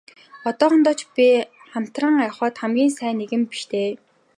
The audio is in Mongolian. Одоохондоо ч би хамтран явахад хамгийн сайн нэгэн биш дээ.